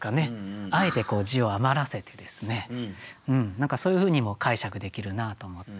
何かそういうふうにも解釈できるなと思って。